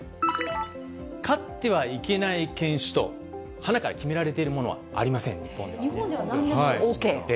飼ってはいけない犬種とはなから決められているものはありません、日本ではなんでもＯＫ？